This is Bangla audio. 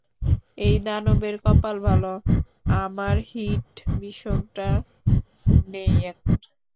ওই দানবের কপাল ভালো আমার হিট ভিশনটা নেই এখন।